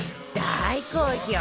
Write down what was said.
大好評